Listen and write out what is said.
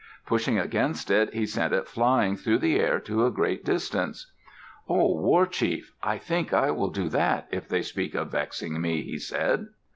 Pushing against it, he sent it flying through the air to a great distance. "O war chief, I think I will do that, if they speak of vexing me," he said.